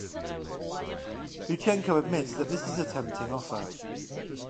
Luchenko admits that this is a tempting offer.